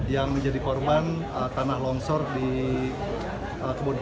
yang menjadi korban tanah longsor di kebun